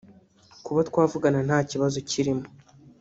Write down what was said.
kuba twavugana nta kibazo kirimo